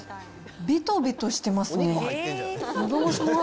べとべとしてますね。